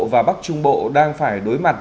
và bắc trung bộ đang phải đối mặt